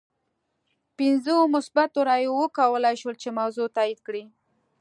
پنځو مثبتو رایو وکولای شول چې موضوع تایید کړي.